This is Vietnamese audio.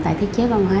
tại thiết chế văn hóa